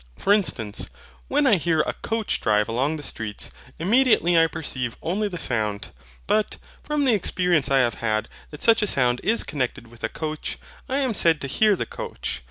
For instance, when I hear a coach drive along the streets, immediately I perceive only the sound; but, from the experience I have had that such a sound is connected with a coach, I am said to hear the coach.